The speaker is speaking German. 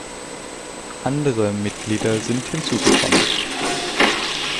Andere Mitglieder sind hinzugekommen.